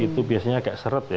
itu biasanya kayak seret ya